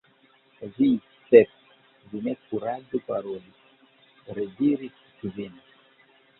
"Vi, Sep, vi ne kuraĝu paroli!" rediris Kvin.